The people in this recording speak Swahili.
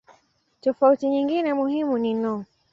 Tofauti nyingine muhimu ni no.